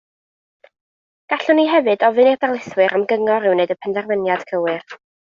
Gallwn i hefyd ofyn i'r darlithwyr am gyngor i wneud y penderfyniad cywir